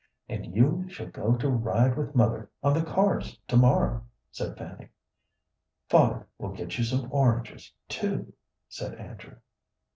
"And you shall go to ride with mother on the cars to morrow," said Fanny. "Father will get you some oranges, too," said Andrew.